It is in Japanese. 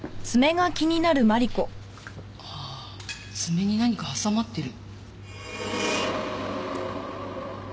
ああ爪に何か挟まってる。